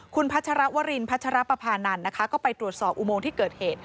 คุณพัชรวรินพัชรปภานันทร์นะคะก็ไปตรวจสอบอุโมงที่เกิดเหตุ